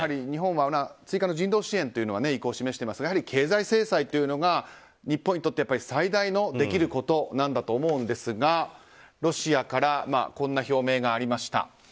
日本は追加の人道支援という意向を示していますが経済制裁というのが日本にとって最大のできることなんだと思うんですがロシアからこんな表明がありました。